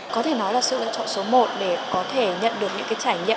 có thể nói là sự lựa chọn số một để có thể nhận được những trải nghiệm